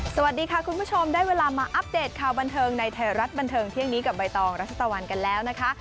สวัสดีค่ะคุณผู้ชมได้เวลามาอัปเดตข่าวบันเทิงในไทยรัฐบันเทิงเที่ยงนี้กับใบตองรัชตะวันกันแล้วนะคะ